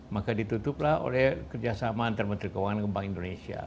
maka ditutuplah oleh kerjasama antar menteri keuangan dan bank indonesia